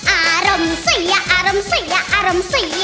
อารมณ์เสียอารมณ์เสียอารมณ์เสีย